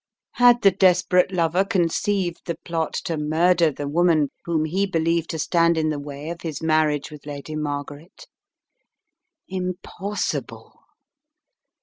Had the desperate lover conceived the plot to murder the woman whom he believed to stand in the way of his marriage with Lady Margaret? Impossible!